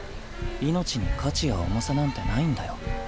命に価値や重さなんてないんだよ。